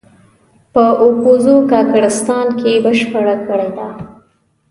په اپوزو کاکړستان کې بشپړه کړې ده.